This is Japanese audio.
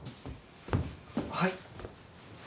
はい。